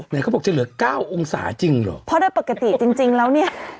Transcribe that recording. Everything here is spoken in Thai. ไหนเขาบอกจะเหลือเก้าองศาจริงเหรอเพราะโดยปกติจริงจริงแล้วเนี้ย